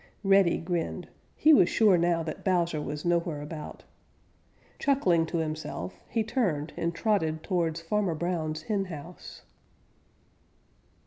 Reddy grinned. He was sure now that Bowser was nowhere about. Chuckling to himself, he turned and trotted towards Farmer Brown's henhouse.